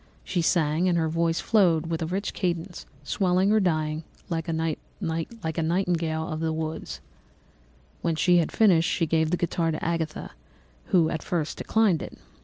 She sang, and her voice flowed in a rich cadence, swelling or dying away like a nightingale of the woods. "When she had finished, she gave the guitar to Agatha, who at first declined it.